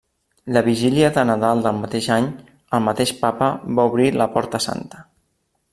La vigília de Nadal del mateix any, el mateix Papa va obrir la Porta Santa.